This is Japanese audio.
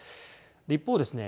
一方ですね